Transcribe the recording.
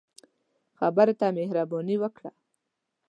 خبرو ته مهرباني ورکړه